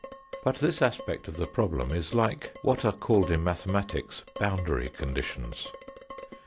But this aspect of the problem is like what are called in mathematics boundary conditions.